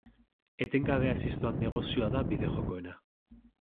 Etengabe haziz doan negozioa da bideo-jokoena.